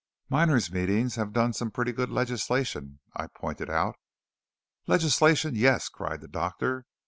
"Miners' meetings have done some pretty good legislation," I pointed out. "Legislation; yes!" cried the doctor.